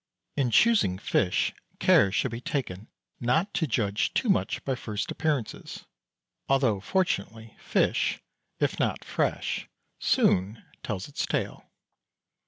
In choosing fish care should be taken not to judge too much by first appearances, although, fortunately, fish, if not fresh, soon tells its tale.